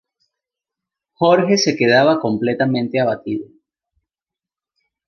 Jorge se queda completamente abatido.